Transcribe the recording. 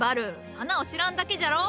花を知らんだけじゃろ！